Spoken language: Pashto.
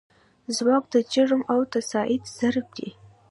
ځواک د جرم او تساعد ضرب دی.